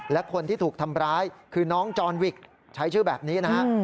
และคนที่ถูกทำร้ายคือน้องจอนวิกใช้ชื่อแบบนี้นะฮะ